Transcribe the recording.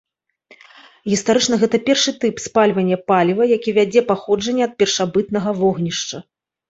Гістарычна гэта першы тып спальвання паліва, які вядзе паходжанне ад першабытнага вогнішча.